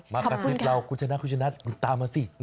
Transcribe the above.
คำคาสิพเราคุณชนะคุณชนะคุณตามมาสิ